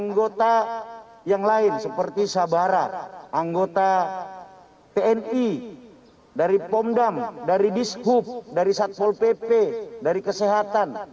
anggota yang lain seperti sabara anggota tni dari pomdam dari diskup dari satpol pp dari kesehatan